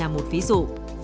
một ví dụ